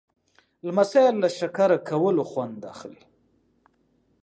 لمسی له شکر کولو خوند اخلي.